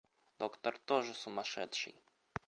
— Доктор тоже сумасшедший.